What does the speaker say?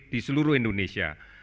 di seluruh indonesia